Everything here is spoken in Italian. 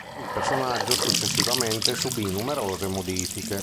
Il personaggio successivamente subì numerose modifiche.